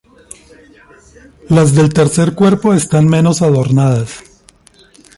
Las del tercer cuerpo están menos adornadas.